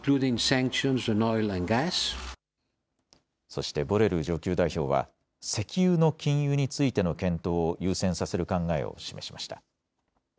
そしてボレル上級代表は石油の禁輸についての検討を優先させる考えを示しました。